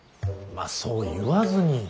まあそう言わずに。